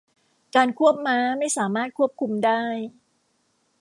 การควบม้าไม่สามารถควบคุมได้